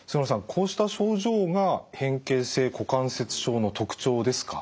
こうした症状が変形性股関節症の特徴ですか？